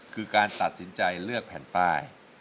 คือการตัดสินใจเลือกแผ่นป้าย